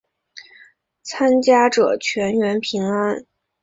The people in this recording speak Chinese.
参加者全员平安。